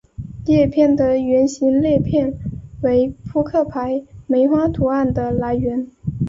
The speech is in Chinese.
叶片的圆形裂片为扑克牌梅花图案的来源。